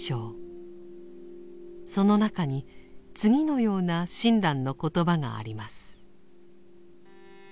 その中に次のような親鸞の言葉があります。